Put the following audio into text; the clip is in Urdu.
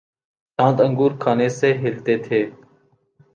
دانت انگور کھانے سے ہلتے تھے